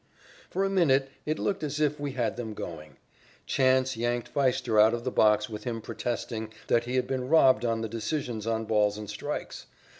For a minute it looked as if we had them going. Chance yanked Pfiester out of the box with him protesting that he had been robbed on the decisions on balls and strikes.